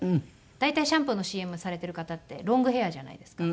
大体シャンプーのＣＭされている方ってロングヘアじゃないですか。